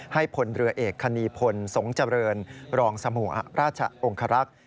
ให้ผลเรือเอกคณีพลทรงเจริญรองสมหวะราชองค์ฮรักษ์